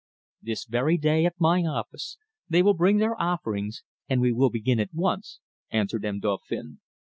"This very day, at my office, they will bring their offerings, and we will begin at once," answered M. Dauphin.